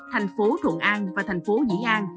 thành phố thuận an và thành phố dĩ an